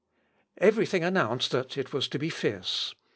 ] Everything announced that it was to be fierce.